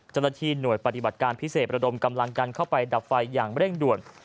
เจ้าหน้าที่หน่วยปฏิบัติการพิเศษระดมกำลังกันเข้าไปดับไฟอย่างเร่งด่วน